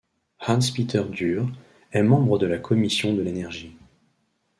Hans-Peter Dürr est membre de la Commission de l'énergie.